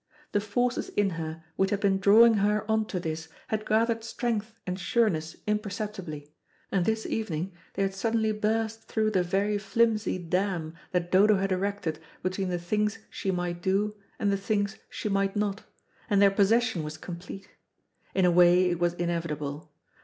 The forces in her which had been drawing her on to this had gathered strength and sureness imperceptibly, and this evening they had suddenly burst through the very flimsy dam that Dodo had erected between the things she might do, and the things she might not, and their possession was complete. In a way it was inevitable.